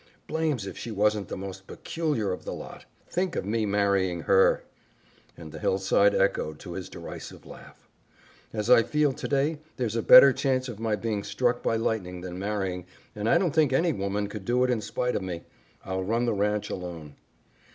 "Blames if she wasn't the most peculiar of the lot. Think of me marrying her!" and the hillside echoed to his derisive laugh. "As I feel today, there's a better chance of my being struck by lightning than marrying, and I don't think any woman could do it in spite of me. I'll run the ranch alone."